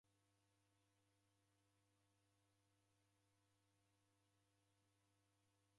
Nekunda nighende Jerusalemu